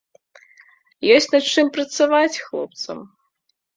Ёсць над чым працаваць хлопцам.